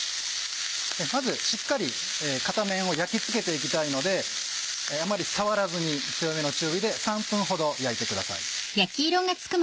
まずしっかり片面を焼き付けて行きたいのであまり触らずに強めの中火で３分ほど焼いてください。